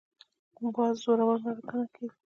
باز زړور مرغه ګڼل کېږي